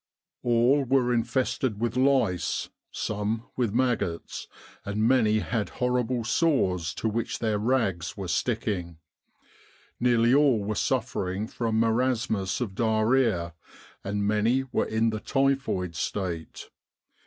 All were infested with lice, some with maggots, and many had horrible sores to which their rags were sticking. Nearly all were suffering from marasmus of diarrhoea, and many were in the typhoid state.